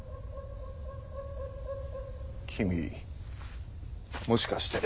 君もしかして。